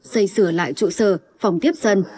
xây sửa lại trụ sở phòng tiếp dân